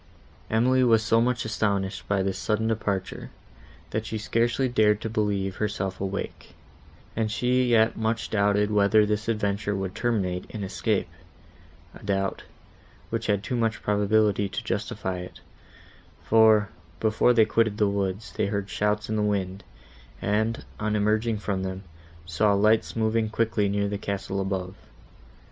Emily was so much astonished by this sudden departure, that she scarcely dared to believe herself awake; and she yet much doubted whether this adventure would terminate in escape,—a doubt, which had too much probability to justify it; for, before they quitted the woods, they heard shouts in the wind, and, on emerging from them, saw lights moving quickly near the castle above.